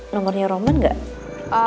nomornya roman gak